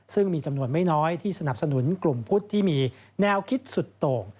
ซึ่งมีจำนวนไม่น้อยที่สนับสนุนกลุ่มพุทธที่มีแนวคิดสุดโต่ง